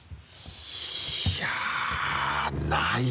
いやぁない。